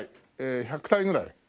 １００体くらい？